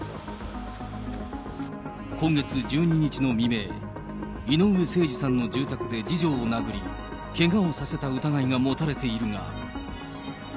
今月１２日の未明、井上盛司さんの住宅で次女を殴り、けがをさせた疑いが持たれているが。